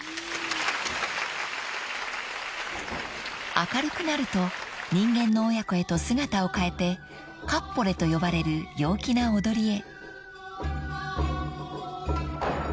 ［明るくなると人間の親子へと姿を変えてかっぽれと呼ばれる陽気な踊りへ］